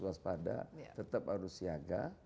waspada tetap harus siaga